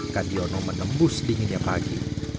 kadiono menembus dinginnya pagi